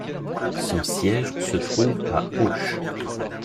Son siège se trouve à Auch.